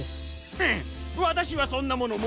フンわたしはそんなものもってないぞ。